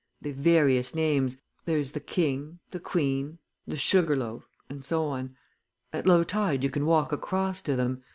They've various names there's the King, the Queen, the Sugar Loaf, and so on. At low tide you can walk across to them.